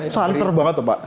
santer banget pak